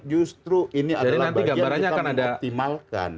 justru ini adalah bagian yang kita mengoptimalkan